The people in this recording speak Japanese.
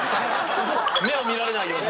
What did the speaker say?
目を見られないように。